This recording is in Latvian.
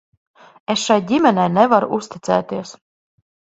Es šai ģimenei nevaru uzticēties.